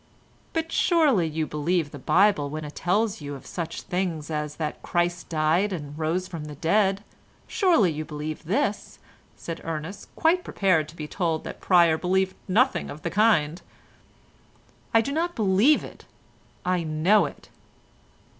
"But surely you believe the Bible when it tells you of such things as that Christ died and rose from the dead? Surely you believe this?" said Ernest, quite prepared to be told that Pryer believed nothing of the kind. "I do not believe it, I know it."